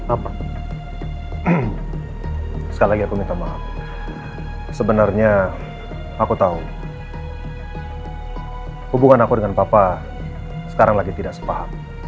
apa sekali lagi aku minta maaf sebenarnya aku tahu hubungan aku dengan papa sekarang lagi tidak sepaham